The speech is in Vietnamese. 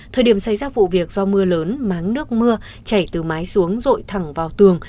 thời điểm xảy ra vụ việc do mưa lớn máng nước mưa chảy từ mái xuống rội thẳng vào tường